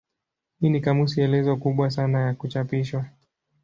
Hii ni kamusi elezo kubwa sana ya kuchapishwa.